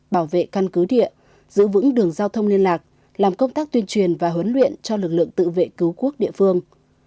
bảo vệ căn cứ địa giữ vững đường giao thông liên lạc làm công tác tuyên truyền và huấn luyện cho lực lượng tự vệ cứu quốc địa phương